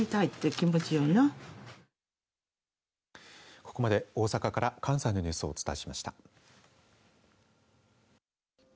ここまで大阪から関西のニュースをお伝えしました。